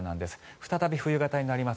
再び冬型になります。